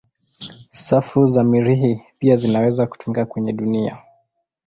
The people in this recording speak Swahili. Safu za Mirihi pia zinaweza kutumika kwenye dunia.